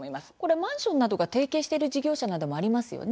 マンションなどが提携している事業者もありますよね。